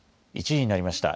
１時になりました。